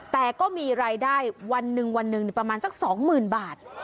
แต่ก็มีรายได้วันหนึ่งประมาณสัก๒๐๐๐๐บาท